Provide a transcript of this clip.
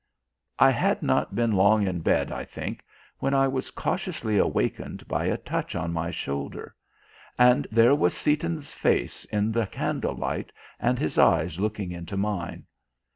I had not been long in bed, I think, when I was cautiously awakened by a touch on my shoulder. And there was Seaton's face in the candlelight and his eyes looking into mine.